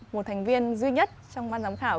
một thành viên duy nhất trong ban giám khảo